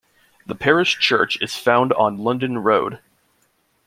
The parish church is found on London Road.